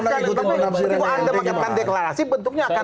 maka ketika anda mengatakan deklarasi bentuknya akan lain